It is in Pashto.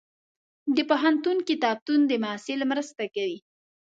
د پوهنتون کتابتون د محصل مرسته کوي.